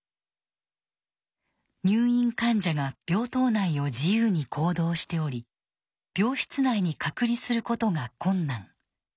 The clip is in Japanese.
「入院患者が病棟内を自由に行動しており病室内に隔離することが困難。